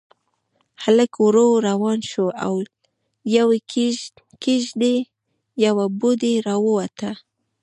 هلک ورو روان شو، له يوې کېږدۍ يوه بوډۍ راووته.